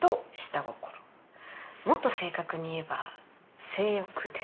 もっと正確に言えば性欲です。